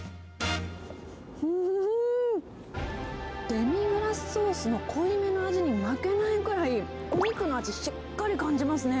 デミグラスソースの濃いめの味に負けないぐらい、お肉の味、しっかり感じますね。